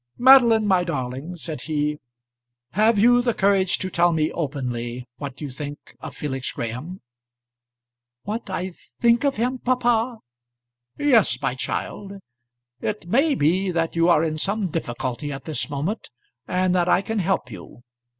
"Madeline, my darling," said he, "have you the courage to tell me openly what you think of Felix Graham?" "What I think of him, papa?" "Yes, my child. It may be that you are in some difficulty at this moment, and that I can help you.